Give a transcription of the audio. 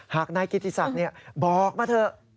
หากนายกิติศักดิ์บอกมาเถอะ